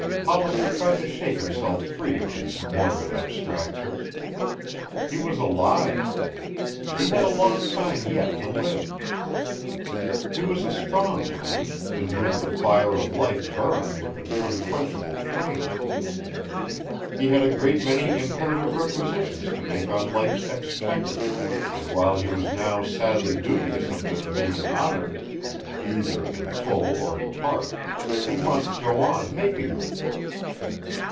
Hollister tried to shake himself free of these morbid abstractions. He was alive. He had a long time yet to live. He was a strong man, in whom the fire of life burned with an unquenchable flame. He had a great many imperative requisitions to make on life's exchequer, and while he was now sadly dubious of their being honored, either in full or in part, he must go on making them.